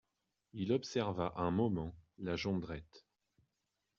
Il observa un moment la Jondrette.